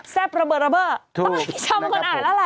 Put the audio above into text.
แซ่บระเบิดต้องให้ชอบคนอ่านแล้วล่ะ